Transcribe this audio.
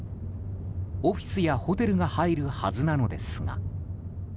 オフィスやホテルが入るはずなのですが。